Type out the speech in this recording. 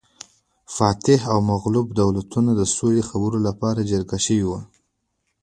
فاتح او مغلوب دولتونه د سولې خبرو لپاره جرګه شوي وو